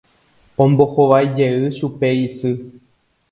Ombohovaijey chupe isy.